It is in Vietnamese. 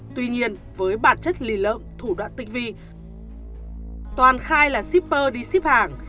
tuy nhiên với bản chất lì lợm thủ đoạn tinh vi toàn khai là shipper đi ship hàng